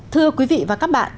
thưa quý vị và các bạn